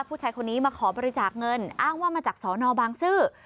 ผู้ชายคนนี้มาขอบริจาคเงินอ้างว่ามาจากสอนอบางซื่อ